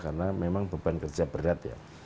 karena memang beban kerja berat ya